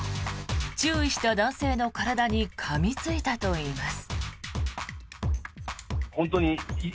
注意した男性の体にかみついたといいます。